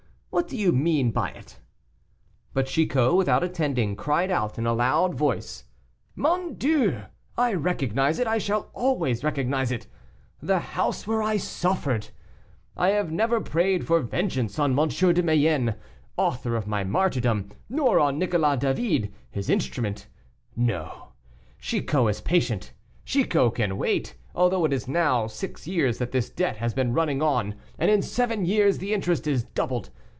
What do you mean by it?" But Chicot, without attending, cried out in a loud voice: "Mon Dieu! I recognize it, I shall always recognize it the house where I suffered! I have never prayed for vengeance on M. de Mayenne, author of my martyrdom, nor on Nicholas David, his instrument. No; Chicot is patient, Chicot can wait, although it is now six years that this debt has been running on, and in seven years the interest is doubled.